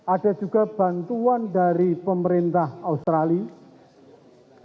ada juga bantuan dari pemerintah australia